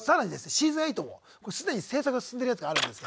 シーズン８も既に制作が進んでるやつがあるんです。